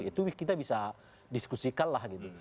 itu kita bisa diskusikan lah gitu